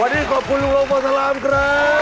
วันนี้ขอบคุณคนปมสลามครับ